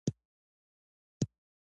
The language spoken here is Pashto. وادي د افغانانو د معیشت سرچینه ده.